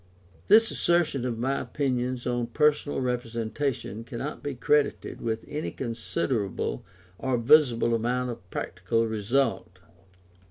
This assertion of my opinions on Personal Representation cannot be credited with any considerable or visible amount of practical result.